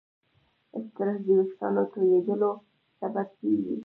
سټرېس د وېښتیانو تویېدلو سبب کېږي.